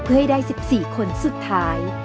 เพื่อให้ได้๑๔คนสุดท้าย